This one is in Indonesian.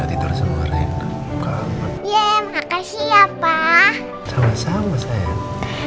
tidur semua rin ya makasih ya pak sama sama sayang